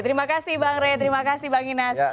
terima kasih bang rey terima kasih bang inas